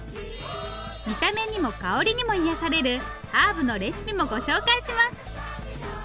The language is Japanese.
見た目にも香りにも癒やされるハーブのレシピもご紹介します。